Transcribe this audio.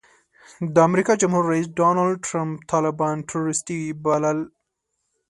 د امریکا جمهور رئیس ډانلډ ټرمپ طالبان ټروریسټي بلل.